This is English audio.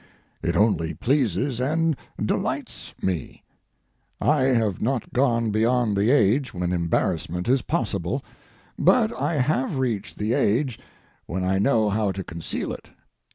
It only pleases and delights me. I have not gone beyond the age when embarrassment is possible, but I have reached the age when I know how to conceal it.